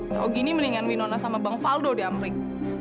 tau gini mendingan winona sama bang faldo di amrik